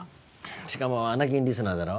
しかも『アナ禁』リスナーだろ？